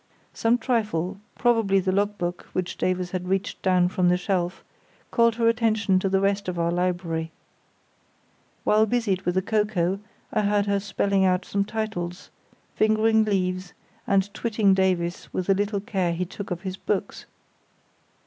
Some trifle, probably the logbook which Davies had reached down from the shelf, called her attention to the rest of our library. While busied with the cocoa I heard her spelling out some titles, fingering leaves, and twitting Davies with the little care he took of his books.